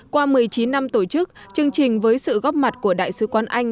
qua một mươi chín năm tổ chức chương trình với sự góp mặt của đại sứ quán anh